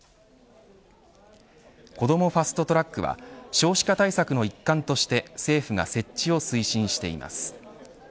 こどもファスト・トラックは少子化対策の一環として政府が設置を推進しています。